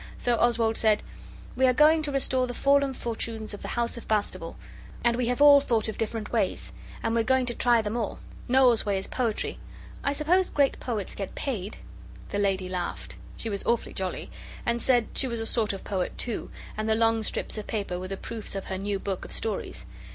So Oswald said 'We are going to restore the fallen fortunes of the House of Bastable and we have all thought of different ways and we're going to try them all. Noel's way is poetry. I suppose great poets get paid?' The lady laughed she was awfully jolly and said she was a sort of poet, too, and the long strips of paper were the proofs of her new book of stories.